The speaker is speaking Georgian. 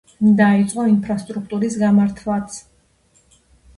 დაიწყო ინფრასტრუქტურის გამართვაც.